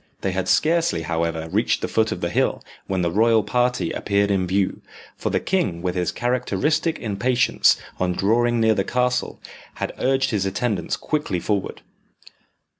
They had scarcely, however, reached the foot of the hill when the royal party appeared in view, for the king with his characteristic impatience, on drawing near the castle, had urged his attendants quickly forward.